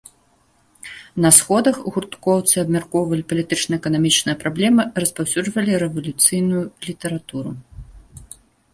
На сходах гурткоўцы абмяркоўвалі палітычныя і эканамічныя праблемы, распаўсюджвалі рэвалюцыйную літаратуру.